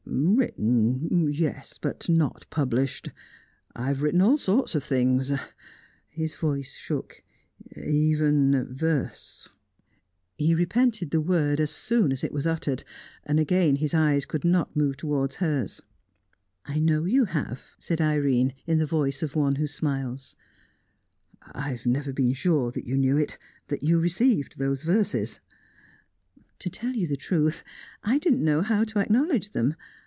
"Written yes, but not published. I have written all sorts of things." His voice shook. "Even verse." He repented the word as soon as it was uttered. Again his eyes could not move towards hers. "I know you have," said Irene, in the voice of one who smiles. "I have never been sure that you knew it that you received those verses." "To tell you the truth, I didn't know how to acknowledge them.